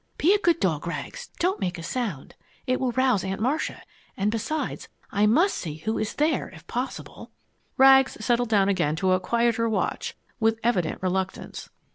"Be a good dog, Rags! Don't make a sound! It will rouse Aunt Marcia, and besides I must see who is there, if possible!" Rags settled down again to a quieter watch with evident reluctance.